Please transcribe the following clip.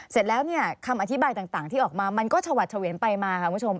เสร็จแล้วเนี่ยคำอธิบายต่างที่ออกมามันก็ชวัดเฉวียนไปมาค่ะคุณผู้ชม